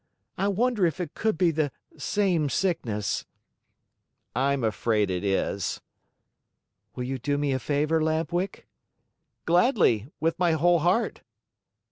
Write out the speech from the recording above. I wonder if it could be the same sickness." "I'm afraid it is." "Will you do me a favor, Lamp Wick?" "Gladly! With my whole heart."